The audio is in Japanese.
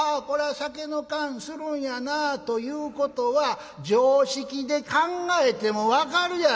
酒の燗するんやなあ』ということは常識で考えても分かるやろ」。